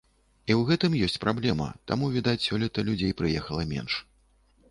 І ў гэтым ёсць праблема, таму, відаць, сёлета людзей прыехала менш.